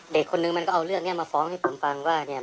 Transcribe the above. คนนึงมันก็เอาเรื่องนี้มาฟ้องให้ผมฟังว่าเนี่ย